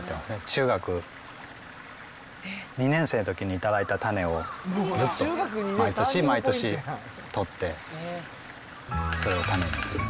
中学２年生のときに頂いた種を、ずっと毎年毎年取って、それを種にする。